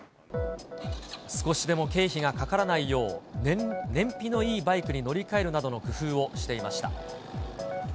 少しでも経費がかからないよう、燃費のいいバイクに乗り換えるなどの工夫をしていました。